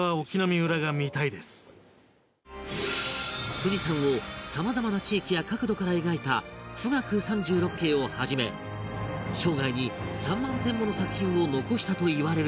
富士山をさまざまな地域や角度から描いた『冨嶽三十六景』をはじめ生涯に３万点もの作品を残したといわれる